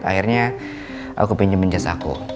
akhirnya aku pinjamin jas aku